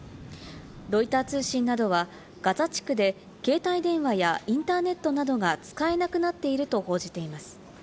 ロイター通信などはガザ地区で携帯電話やインターネットなどが使えなくなっていると報じています。